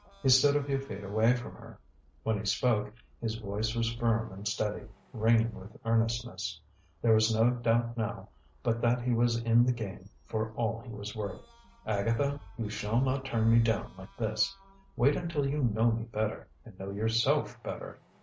He stood a few feet away from her. When he spoke, his voice was firm and steady, ringing with earnestness. There was no doubt now but that he was in the game for all he was worth. "Agatha, you shall not turn me down like this. Wait until you know me better, and know yourself better.